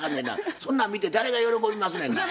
そんなん見て誰が喜びますねんな。